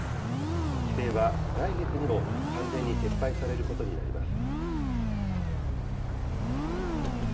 規制は来月にも完全に撤廃されることになります。